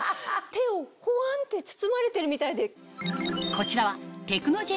手をふわんって包まれてるみたいで。